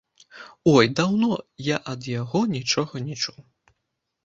Ой, даўно я ад яго нічога не чуў.